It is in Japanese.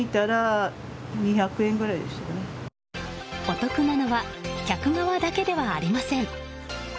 お得なのは客側だけではありません。